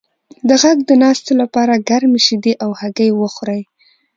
د غږ د ناستې لپاره ګرمې شیدې او هګۍ وخورئ